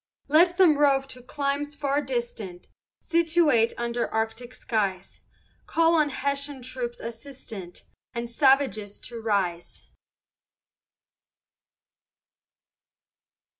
Let them rove to climes far distant, Situate under Arctic skies, Call on Hessian troops assistant, And the savages to rise.